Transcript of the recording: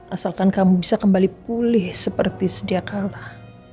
asalkan kamu bisa kembali pulih seperti sedia kalah